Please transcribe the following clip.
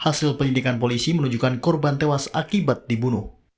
hasil penyelidikan polisi menunjukkan korban tewas akibat dibunuh